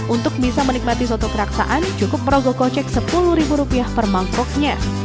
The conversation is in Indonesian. untuk bisa menikmati soto keraksaan cukup merogoh kocek sepuluh ribu rupiah per mangkoknya